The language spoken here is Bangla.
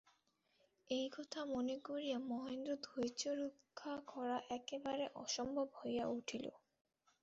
এই কথা মনে করিয়া মহেন্দ্রের ধৈর্যরক্ষা করা একেবারে অসম্ভব হইয়া উঠিল।